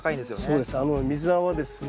そうです。